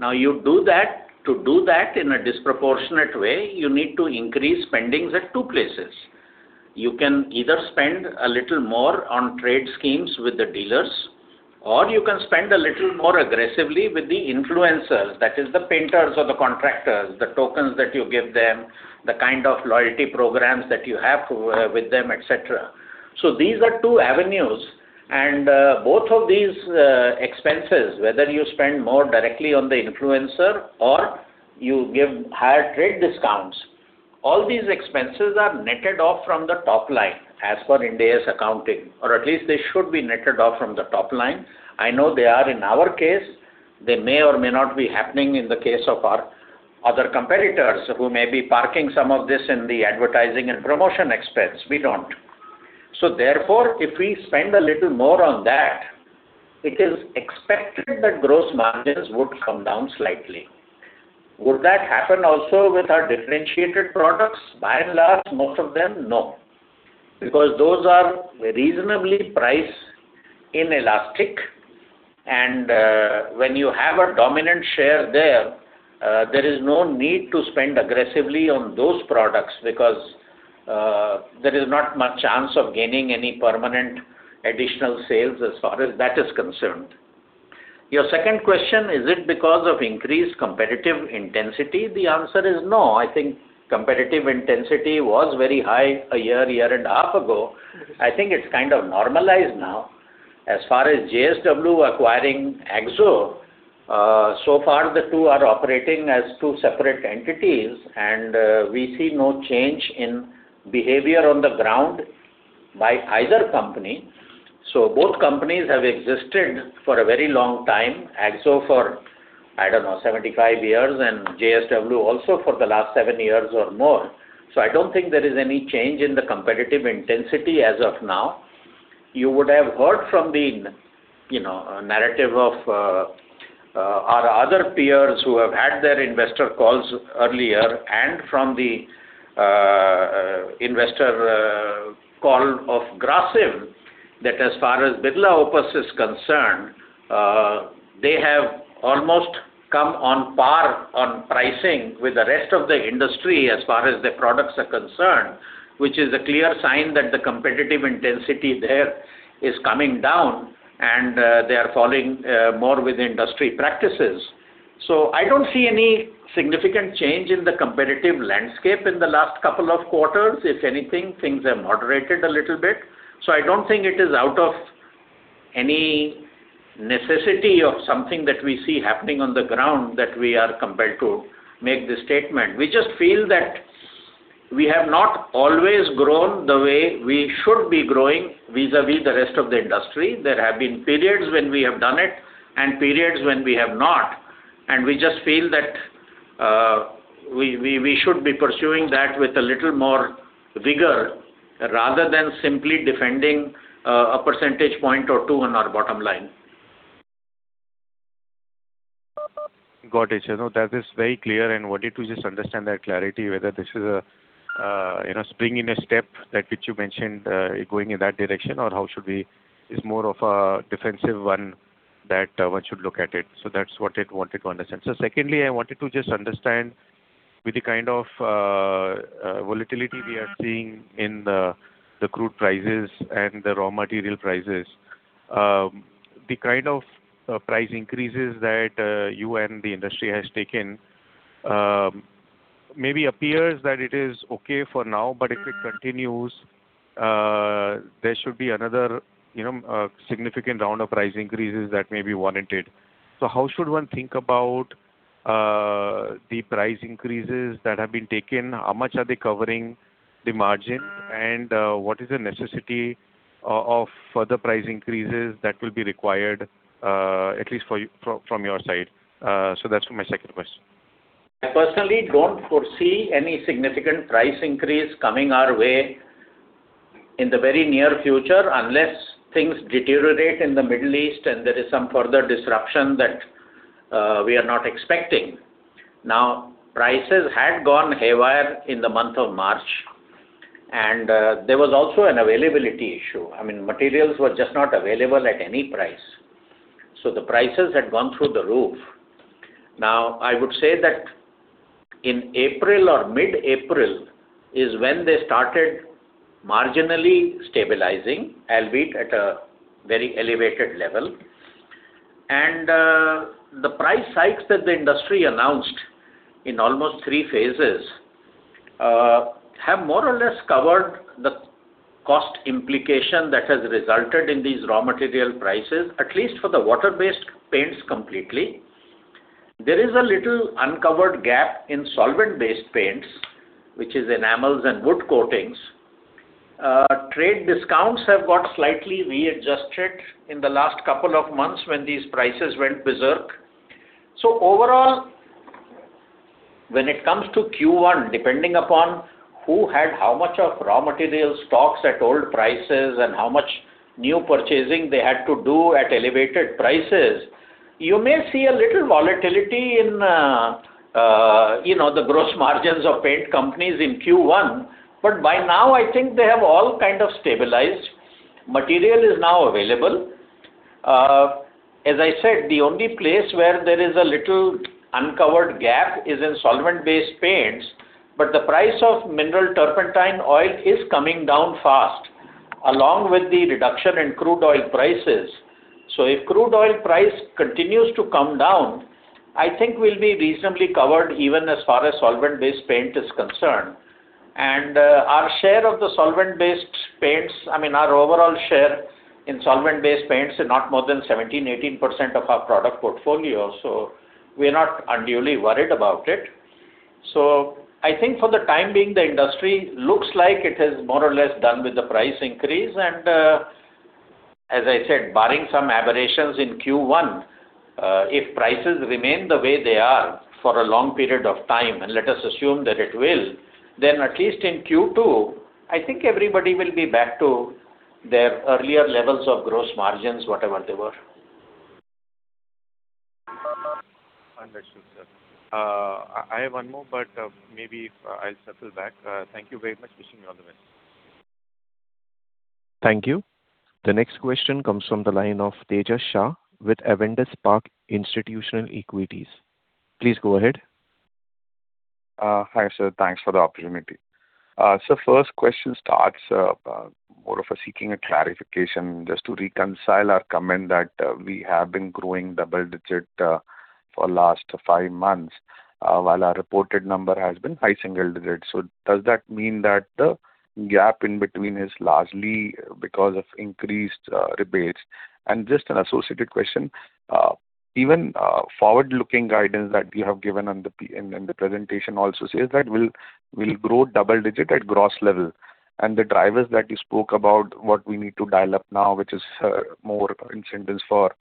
To do that in a disproportionate way, you need to increase spendings at two places. You can either spend a little more on trade schemes with the dealers, or you can spend a little more aggressively with the influencers. That is the painters or the contractors, the tokens that you give them, the kind of loyalty programs that you have with them, et cetera. These are two avenues, and both of these expenses, whether you spend more directly on the influencer or you give higher trade discounts, all these expenses are netted off from the top line as per India's accounting. At least they should be netted off from the top line. I know they are in our case. They may or may not be happening in the case of our other competitors who may be parking some of this in the advertising and promotion expense. We don't. Therefore, if we spend a little more on that, it is expected that gross margins would come down slightly. Would that happen also with our differentiated products? By and large, most of them, no, because those are reasonably price inelastic, and when you have a dominant share there is no need to spend aggressively on those products because there is not much chance of gaining any permanent additional sales as far as that is concerned. Your second question, is it because of increased competitive intensity? The answer is no. I think competitive intensity was very high a year, a year and a half ago. I think it's kind of normalized now. Far as JSW acquiring Akzo, so far the two are operating as two separate entities, and we see no change in behavior on the ground by either company. Both companies have existed for a very long time. Akzo for, I don't know, 75 years, and JSW also for the last seven years or more. I don't think there is any change in the competitive intensity as of now. You would have heard from the narrative of our other peers who have had their investor calls earlier and from the investor call of Grasim that as far as Birla Opus is concerned, they have almost come on par on pricing with the rest of the industry as far as their products are concerned, which is a clear sign that the competitive intensity there is coming down and they are falling more with industry practices. I don't see any significant change in the competitive landscape in the last couple of quarters. If anything, things have moderated a little bit. I don't think it is out of any necessity of something that we see happening on the ground that we are compelled to make this statement. We just feel that we have not always grown the way we should be growing vis-a-vis the rest of the industry. There have been periods when we have done it and periods when we have not. We just feel that we should be pursuing that with a little more rigor rather than simply defending a percentage point or two on our bottom line. Got it. That is very clear and wanted to just understand that clarity whether this is bringing a step that which you mentioned going in that direction or it's more of a defensive one that one should look at it. That's what I wanted to understand. Secondly, I wanted to just understand with the kind of volatility we are seeing in the crude prices and the raw material prices, the kind of price increases that you and the industry has taken maybe appears that it is okay for now. If it continues, there should be another significant round of price increases that may be warranted. How should one think about the price increases that have been taken? How much are they covering the margin? What is the necessity of further price increases that will be required, at least from your side? That's my second question. I personally don't foresee any significant price increase coming our way in the very near future unless things deteriorate in the Middle East and there is some further disruption that we are not expecting. Prices had gone haywire in the month of March. There was also an availability issue. Materials were just not available at any price. The prices had gone through the roof. I would say that in April or mid-April is when they started marginally stabilizing, albeit at a very elevated level. The price hikes that the industry announced in almost three phases have more or less covered the cost implication that has resulted in these raw material prices, at least for the water-based paints completely. There is a little uncovered gap in solvent-based paints, which is enamels and wood coatings. Trade discounts have got slightly readjusted in the last couple of months when these prices went berserk. Overall, when it comes to Q1, depending upon who had how much of raw material stocks at old prices and how much new purchasing they had to do at elevated prices, you may see a little volatility in the gross margins of paint companies in Q1. By now, I think they have all kind of stabilized. Material is now available. As I said, the only place where there is a little uncovered gap is in solvent-based paints, but the price of mineral turpentine oil is coming down fast, along with the reduction in crude oil prices. If crude oil price continues to come down, I think we'll be reasonably covered even as far as solvent-based paint is concerned. Our share of the solvent-based paints, our overall share in solvent-based paints are not more than 17%-18% of our product portfolio, so we're not unduly worried about it. I think for the time being, the industry looks like it is more or less done with the price increase. As I said, barring some aberrations in Q1, if prices remain the way they are for a long period of time, and let us assume that it will, then at least in Q2, I think everybody will be back to their earlier levels of gross margins, whatever they were. Understood, sir. I have one more, but maybe I'll settle back. Thank you very much. Wishing you all the best. Thank you. The next question comes from the line of Tejas Shah with Avendus Spark Institutional Equities. Please go ahead. Hi, sir. Thanks for the opportunity. Sir, first question starts more of a seeking a clarification just to reconcile our comment that we have been growing double-digit for last five months, while our reported number has been high single-digit. Just an associated question, even forward-looking guidance that you have given and the presentation also says that we'll grow double-digit at gross level. The drivers that you spoke about, what we need to dial up now, which is more incentives for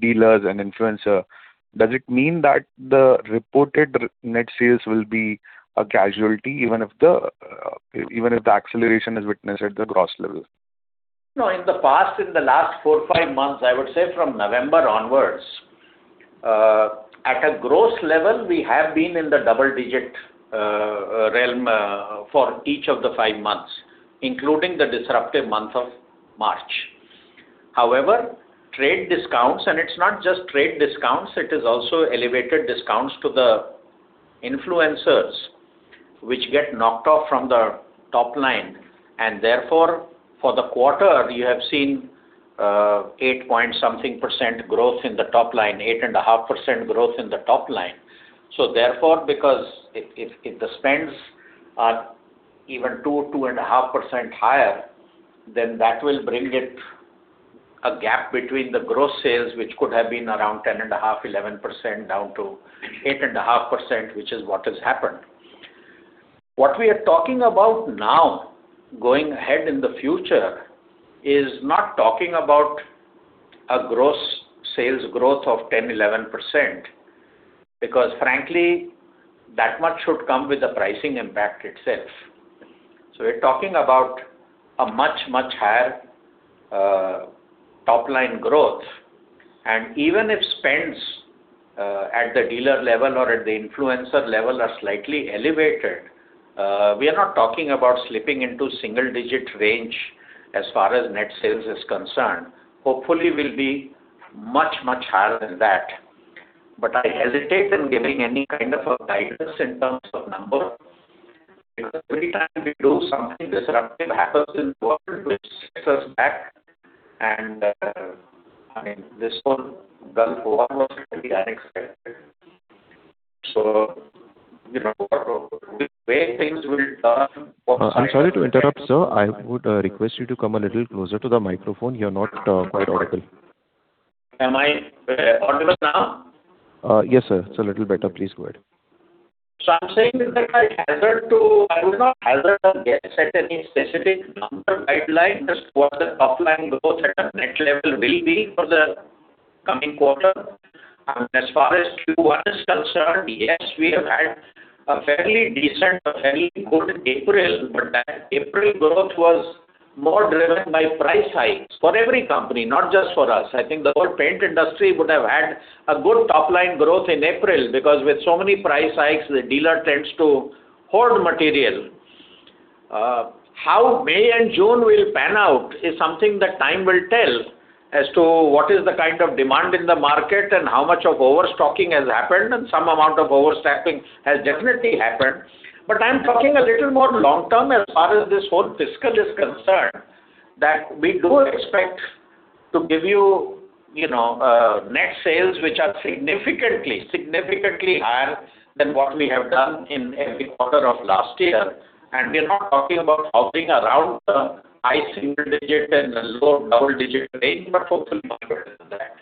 dealers and influencers. Does it mean that the reported net sales will be a casualty even if the acceleration is witnessed at the gross level? In the past, in the last four, five months, I would say from November onwards, at a gross level, we have been in the double digit realm, for each of the five months, including the disruptive month of March. Trade discounts, and it's not just trade discounts, it is also elevated discounts to the influencers, which get knocked off from the top line. Therefore, for the quarter, you have seen 8%-point something growth in the top line, 8.5% growth in the top line. Therefore, because if the spends are even 2%, 2.5% higher, then that will bring it a gap between the gross sales, which could have been around 10.5%, 11% down to 8.5%, which is what has happened. What we are talking about now, going ahead in the future, is not talking about a gross sales growth of 10%, 11%, because frankly, that much should come with the pricing impact itself. We're talking about a much, much higher top-line growth. Even if spends at the dealer level or at the influencer level are slightly elevated, we are not talking about slipping into single digit range as far as net sales is concerned. Hopefully, we'll be much, much higher than that. I hesitate in giving any kind of a guidance in terms of number, because every time we do, something disruptive happens in the world which sets us back. This one, well, COVID was fairly unexpected. I'm sorry to interrupt, sir. I would request you to come a little closer to the microphone. You're not quite audible. Am I audible now? Yes, sir. It's a little better. Please go ahead. I'm saying is that I would not hazard a guess at any specific number guideline as far as the top-line growth at a net sales will be for the coming quarter. As far as Q1 is concerned, yes, we have had a fairly decent, a fairly good April. That April growth was more driven by price hikes for every company, not just for us. I think the whole paint industry would have had a good top-line growth in April, because with so many price hikes, the dealer tends to hoard material. How May and June will pan out is something that time will tell as to what is the kind of demand in the market and how much of overstocking has happened, and some amount of overstocking has definitely happened. I am talking a little more long-term as far as this whole fiscal is concerned, that we do expect to give you net sales which are significantly higher than what we have done in every quarter of last year. We are not talking about hopping around the high single-digit and the low double-digit range, but hopefully much better than that.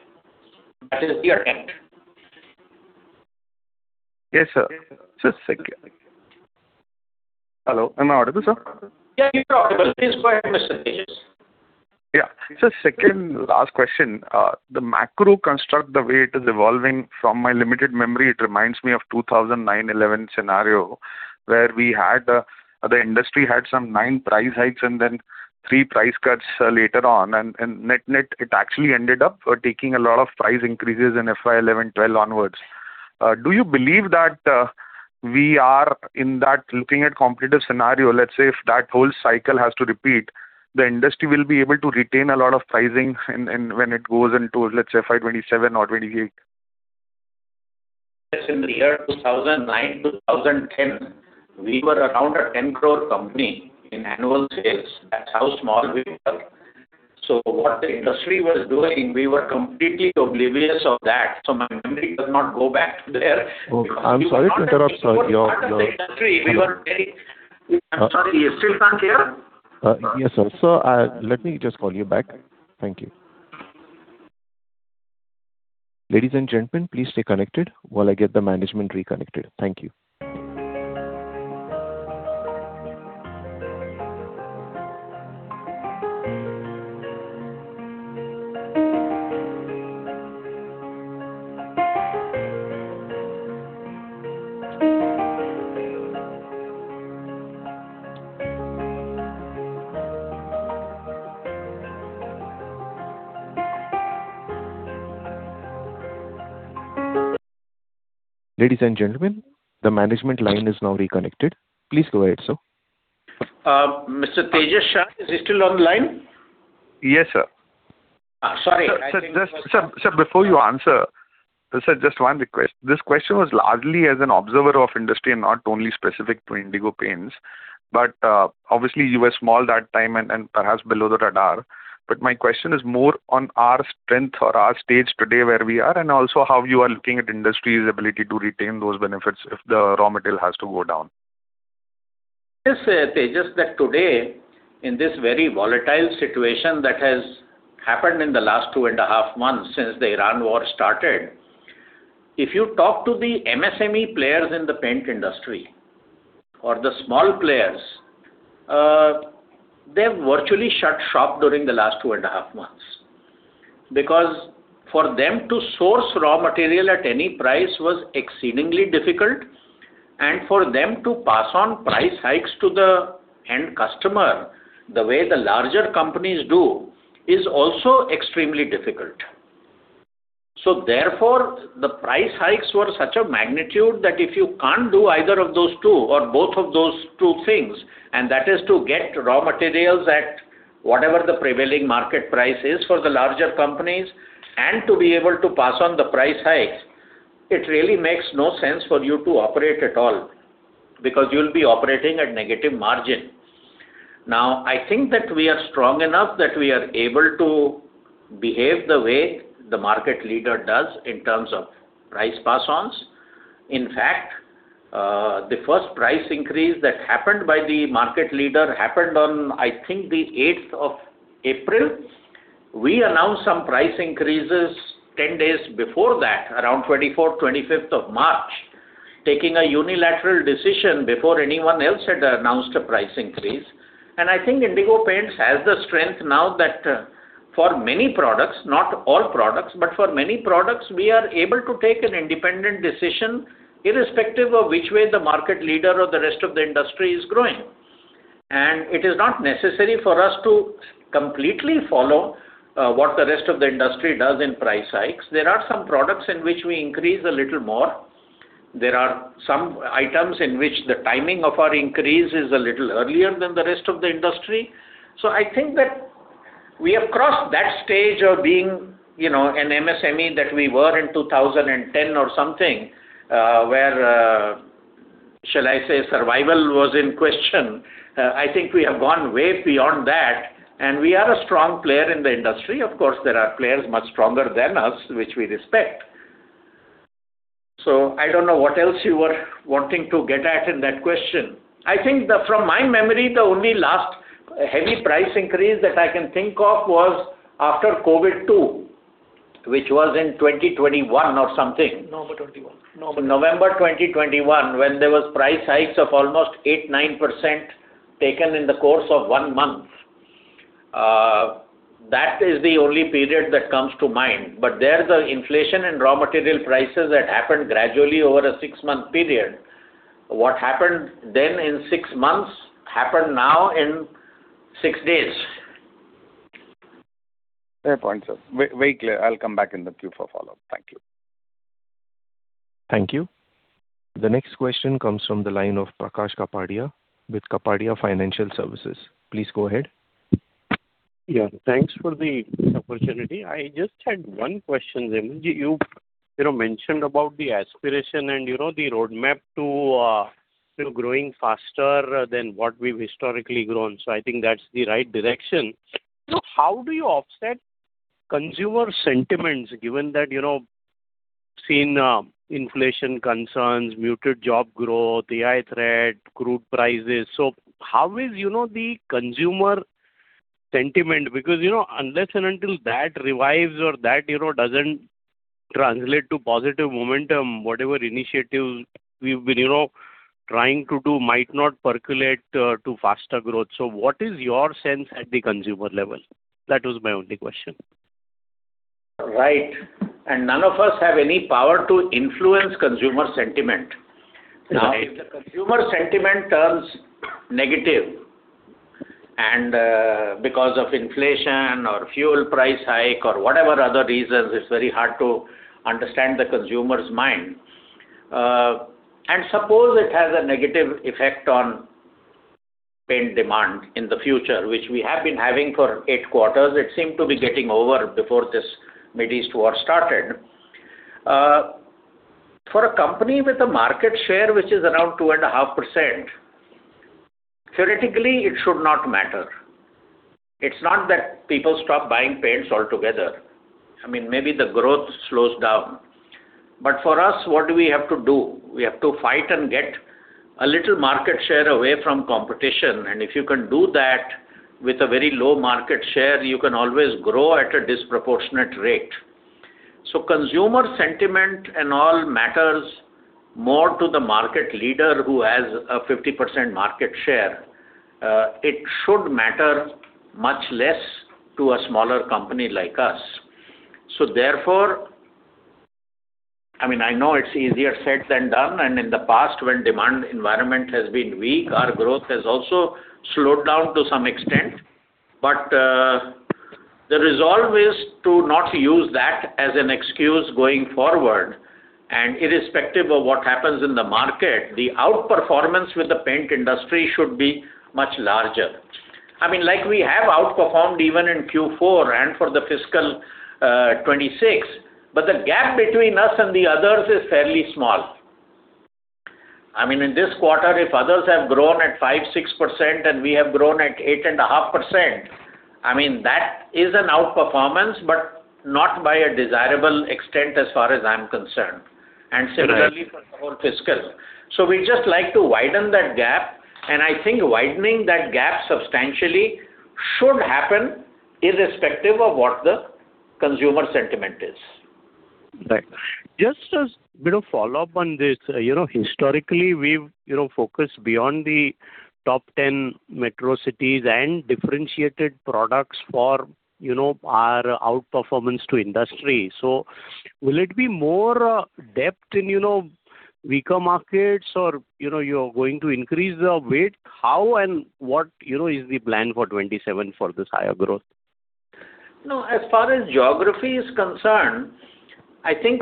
That is the attempt. Yes, sir. Just a second. Hello. Am I audible, sir? Yeah, you're audible. Please go ahead with the question. Yes. Yeah. Just a second last question. The macro construct, the way it is evolving from my limited memory, it reminds me of 2009-2011 scenario, where the industry had some nine price hikes and then three price cuts later on. Net, it actually ended up taking a lot of price increases in FY 2011-2012 onwards. Do you believe that we are in that looking at competitive scenario, let's say, if that whole cycle has to repeat, the industry will be able to retain a lot of pricing when it goes into, let's say, FY 2027 or 2028? Yes, in the year 2009, 2010, we were around an 10 crore company in annual sales. That's how small we were. What the industry was doing, we were completely oblivious of that. My memory does not go back to there. Okay. I'm sorry to interrupt. We were part of the industry. I'm sorry, you're still not here? Yes, sir. Sir, let me just call you back. Ladies and gentlemen please stay connected as I get management reconnected. Thank you. Management is reconnected. Please go ahead sir. Mr. Tejas Shah, is he still on the line? Yes, sir. Sorry. Sir, before you answer, just one request. This question was largely as an observer of industry and not only specific to Indigo Paints, but obviously you were small that time and perhaps below the radar. My question is more on our strength or our stage today where we are, and also how you are looking at industry's ability to retain those benefits if the raw material has to go down. Tejas, today, in this very volatile situation that has happened in the last two and a half months since the Iran war started, if you talk to the MSME players in the paint industry or the small players, they virtually shut shop during the last two and a half months. For them to source raw material at any price was exceedingly difficult, and for them to pass on price hikes to the end customer, the way the larger companies do, is also extremely difficult. Therefore, the price hikes were such a magnitude that if you can't do either of those two or both of those two things, and that is to get raw materials at whatever the prevailing market price is for the larger companies, and to be able to pass on the price hikes, it really makes no sense for you to operate at all because you'll be operating at negative margin. Now, I think that we are strong enough that we are able to behave the way the market leader does in terms of price pass-ons. In fact, the first price increase that happened by the market leader happened on, I think, the 8th of April. We announced some price increases 10 days before that, around 24th, 25th of March, taking a unilateral decision before anyone else had announced a price increase. I think Indigo Paints has the strength now that for many products, not all products, but for many products, we are able to take an independent decision irrespective of which way the market leader or the rest of the industry is growing. It is not necessary for us to completely follow what the rest of the industry does in price hikes. There are some products in which we increase a little more. There are some items in which the timing of our increase is a little earlier than the rest of the industry. I think that we have crossed that stage of being an MSME that we were in 2010 or something, where, shall I say, survival was in question. I think we have gone way beyond that, and we are a strong player in the industry. Of course, there are players much stronger than us, which we respect. I don't know what else you were wanting to get at in that question. I think that from my memory, the only last heavy price increase that I can think of was after COVID too, which was in 2021 or something. November 2021. November 2021, when there was price hikes of almost 8%-9% taken in the course of one month. That is the only period that comes to mind. There's the inflation in raw material prices that happened gradually over a six-month period. What happened then in six months happened now in six days. Fair point, sir. Very clear. I'll come back in the queue for follow-up. Thank you. Thank you. The next question comes from the line of Prakash Kapadia with Kapadia Financial Services. Please go ahead. Yeah, thanks for the opportunity. I just had one question. You mentioned about the aspiration and the roadmap to growing faster than what we've historically grown. I think that's the right direction. How do you offset consumer sentiments given that seen inflation concerns, muted job growth, AI threat, crude prices. How is the consumer sentiment? Because unless and until that revives or that doesn't translate to positive momentum, whatever initiatives we've been trying to do might not percolate to faster growth. What is your sense at the consumer level? That was my only question. Right. None of us have any power to influence consumer sentiment. Now, if consumer sentiment turns negative and because of inflation or fuel price hike or whatever other reasons, it's very hard to understand the consumer's mind. Suppose it has a negative effect on paint demand in the future, which we have been having for eight quarters. It seemed to be getting over before this Mideast war started. For a company with a market share which is around 2.5%, theoretically, it should not matter. It's not that people stop buying paints altogether. Maybe the growth slows down. For us, what do we have to do? We have to fight and get a little market share away from competition. If you can do that with a very low market share, you can always grow at a disproportionate rate. Consumer sentiment and all matters more to the market leader who has a 50% market share. It should matter much less to a smaller company like us. Therefore, I know it's easier said than done, and in the past when demand environment has been weak, our growth has also slowed down to some extent. The resolve is to not use that as an excuse going forward. Irrespective of what happens in the market, the outperformance with the paint industry should be much larger. Like we have outperformed even in Q4 and for the FY 2026, but the gap between us and the others is fairly small. In this quarter, if others have grown at 5%, 6%, and we have grown at 8.5%, that is an outperformance, but not by a desirable extent as far as I'm concerned. Right. Similarly for more fiscal. We just like to widen that gap, and I think widening that gap substantially should happen irrespective of what the consumer sentiment is. Right. Just a bit of follow-up on this. Historically, we've focused beyond the top 10 metro cities and differentiated products for our outperformance to industry. Will it be more depth in weaker markets or you're going to increase the weight? How and what is the plan for 2027 for this higher growth? As far as geography is concerned, I think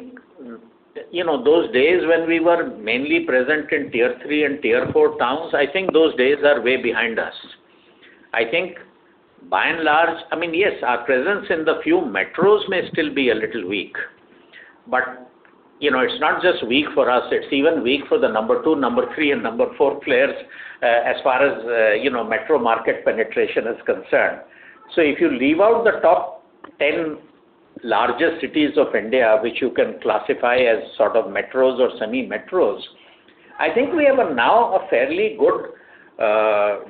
those days when we were mainly present in Tier 3 and Tier 4 towns, I think those days are way behind us. I think by and large, yes, our presence in the few metros may still be a little weak. It's not just weak for us. It's even weak for the number two, number three, and number four players as far as metro market penetration is concerned. If you leave out the top 10 largest cities of India, which you can classify as sort of metros or semi-metros, I think we have now a fairly good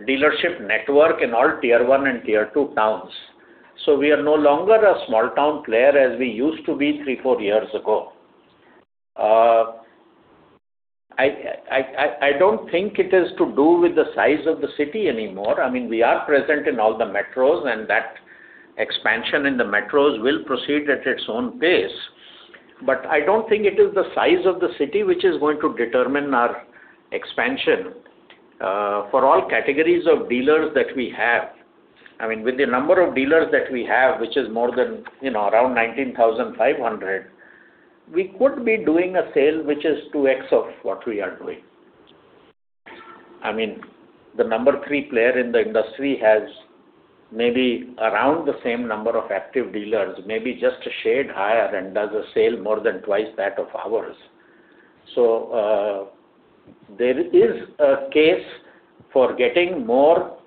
dealership network in all Tier 1 and Tier 2 towns. We are no longer a small-town player as we used to be three, four years ago. I don't think it has to do with the size of the city anymore. We are present in all the metros, and that expansion in the metros will proceed at its own pace. I don't think it is the size of the city which is going to determine our expansion. For all categories of dealers that we have. With the number of dealers that we have, which is more than around 19,500, we could be doing a sale which is 2x of what we are doing. The number three player in the industry has maybe around the same number of active dealers, maybe just a shade higher, and does a sale more than twice that of ours. There is a case for getting more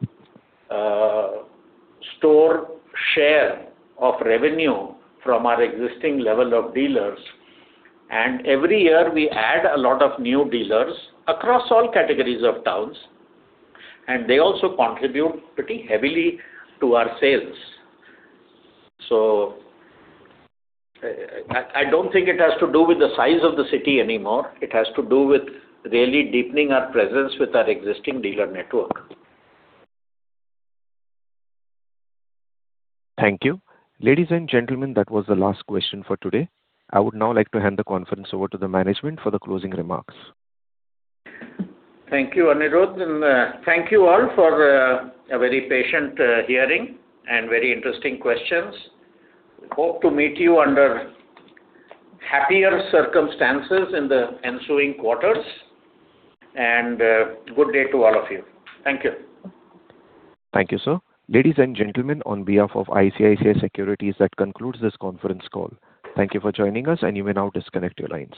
store share of revenue from our existing level of dealers. Every year, we add a lot of new dealers across all categories of towns, and they also contribute pretty heavily to our sales. I don't think it has to do with the size of the city anymore. It has to do with really deepening our presence with our existing dealer network. Thank you. Ladies and gentlemen, that was the last question for today. I would now like to hand the conference over to the management for the closing remarks. Thank you, Aniruddha, and thank you all for a very patient hearing and very interesting questions. Hope to meet you under happier circumstances in the ensuing quarters. Good day to all of you. Thank you. Thank you, sir. Ladies and gentlemen, on behalf of ICICI Securities, that concludes this conference call. Thank you for joining us, and you may now disconnect your lines.